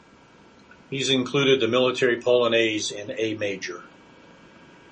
These included the "Military Polonaise" in A major.